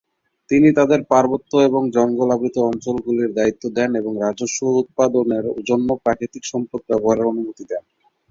তিনি তাদের পার্বত্য এবং জঙ্গল আবৃত অঞ্চল গুলির দায়িত্ব দেন এবং রাজস্ব উৎপাদনের জন্য প্রাকৃতিক সম্পদ ব্যবহারের অনুমতি দেন।